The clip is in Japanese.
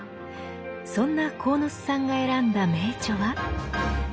そんな鴻巣さんが選んだ名著は。